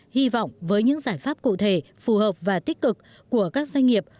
hy vọng với những giải pháp cụ thể phù hợp và tích cực của các doanh nghiệp